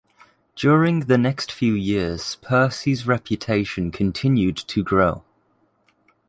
During the next few years Percy's reputation continued to grow.